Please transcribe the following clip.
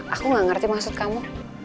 aku gak ngerti maksud kamu